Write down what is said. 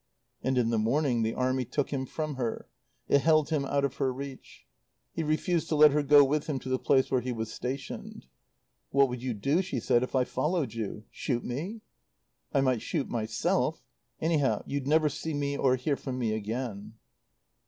And in the morning the Army took him from her; it held him out of her reach. He refused to let her go with him to the place where he was stationed. "What would you do," she said, "if I followed you? Shoot me?" "I might shoot myself. Anyhow, you'd never see me or hear from me again."